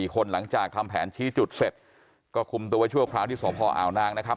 คนหลังจากทำแผนชี้จุดเสร็จก็คุมตัวไว้ชั่วคราวที่สพอาวนางนะครับ